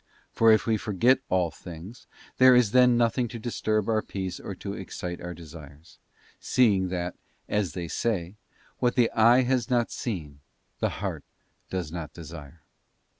For if we forget all things, there is then nothing to disturb our peace or to excite our desires; seeing that, as they say, what the eye has not seen the heart does not desire.